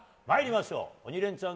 「鬼レンチャン」